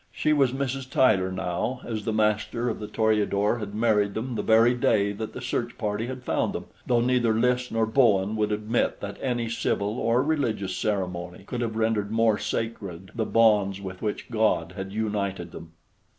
She was Mrs. Tyler now, as the master of the Toreador had married them the very day that the search party had found them, though neither Lys nor Bowen would admit that any civil or religious ceremony could have rendered more sacred the bonds with which God had united them.